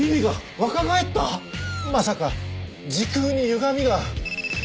まさか時空にゆがみが？